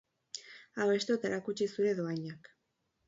Abestu eta erakutsi zure dohainak!